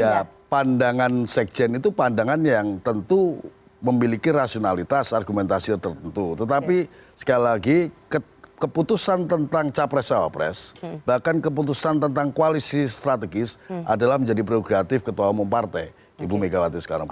ya pandangan sekjen itu pandangan yang tentu memiliki rasionalitas argumentasi tertentu tetapi sekali lagi keputusan tentang capres cawapres bahkan keputusan tentang koalisi strategis adalah menjadi prerogatif ketua umum partai ibu megawati soekarno putri